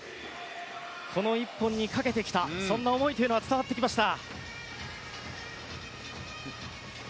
この１本にかけてきたそんな思いは伝わってきました。